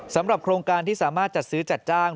สำหรับโครงการที่สามารถจัดซื้อจัดจ้าง